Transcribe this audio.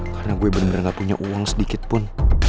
karena gue bener bener gak punya uang sedikit pun